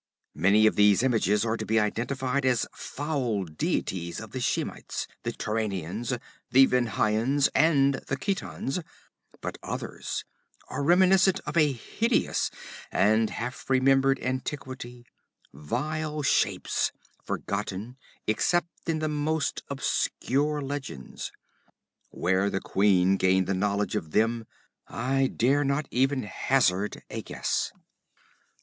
Many of these images are to be identified as foul deities of the Shemites, the Turanians, the Vendhyans, and the Khitans, but others are reminiscent of a hideous and half remembered antiquity, vile shapes forgotten except in the most obscure legends. Where the queen gained the knowledge of them I dare not even hazard a guess.